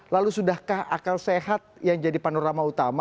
lalu sudahkah akal sehat yang jadi panorama utama